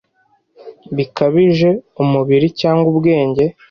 bikabije umubiri cyangwa ubwenge